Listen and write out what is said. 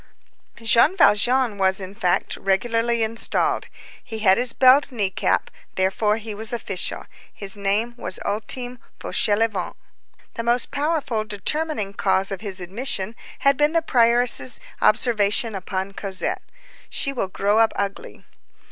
Jean Valjean was, in fact, regularly installed; he had his belled knee cap; henceforth he was official. His name was Ultime Fauchelevent. The most powerful determining cause of his admission had been the prioress's observation upon Cosette: "She will grow up ugly."